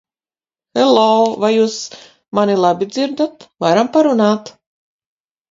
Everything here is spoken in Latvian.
Hello, vai jūs mani labi dzirdat? Varam parunāt?